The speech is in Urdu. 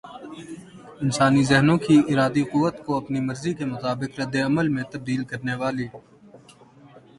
انسانی ذہنوں کی ارادی قوت کو اپنی مرضی کے مطابق ردعمل میں تبدیل کرنے والی